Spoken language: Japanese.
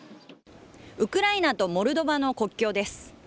ウクライナとモルドバの国境です。